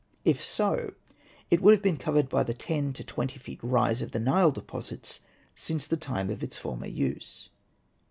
If so it would have been covered by the ten to twenty feet rise of the Nile deposits since the time of its former use.